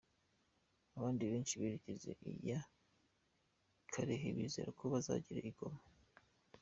Abandi benshi berekeje iya Kalehe bizera ko bazagera i Goma.